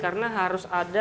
karena harus ada